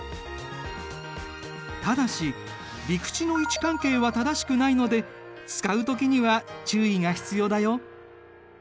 ただし陸地の位置関係は正しくないので使う時には注意が必要だよ。